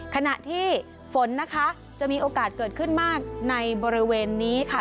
ขณะที่ฝนนะคะจะมีโอกาสเกิดขึ้นมากในบริเวณนี้ค่ะ